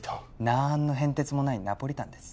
なんの変哲もないナポリタンです